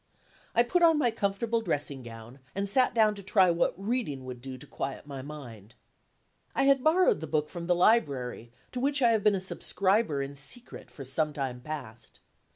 I put on my comfortable dressing gown, and sat down to try what reading would do to quiet my mind. I had borrowed the book from the Library, to which I have been a subscriber in secret for some time past.